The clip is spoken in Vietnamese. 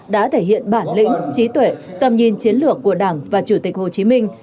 đã thể hiện bản lĩnh trí tuệ tầm nhìn chiến lược của đảng và chủ tịch hồ chí minh